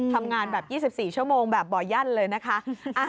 ทำงานแบบ๒๔ชั่วโมงแบบบ่อยั่นเลยนะคะ